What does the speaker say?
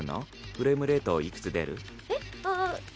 フレームレートいくつ出る？えっ？